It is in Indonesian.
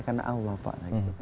karena allah pak